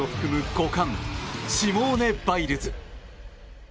５冠シモーネ・バイルズ。